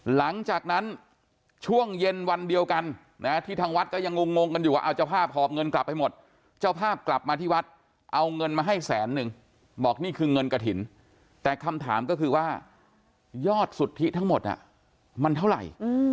หลังจากนั้นช่วงเย็นวันเดียวกันนะที่ทางวัดก็ยังงงกันอยู่ว่าเอาเจ้าภาพหอบเงินกลับไปหมดเจ้าภาพกลับมาที่วัดเอาเงินมาให้แสนนึงบอกนี่คือเงินกระถิ่นแต่คำถามก็คือว่ายอดสุทธิทั้งหมดมันเท่าไหร่